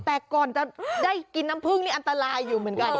แต่ก่อนจะได้กินน้ำผึ้งนี่อันตรายอยู่เหมือนกัน